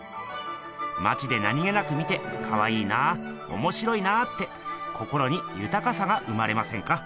まちで何気なく見てかわいいなおもしろいなって心にゆたかさが生まれませんか？